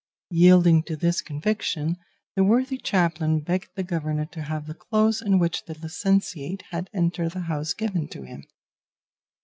Yielding to this conviction, the worthy chaplain begged the governor to have the clothes in which the licentiate had entered the house given to him.